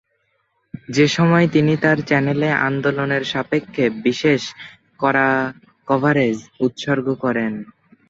সেসময় তিনি তার চ্যানেলে আন্দোলনের স্বপক্ষে বিশেষ কভারেজ উৎসর্গ করেন।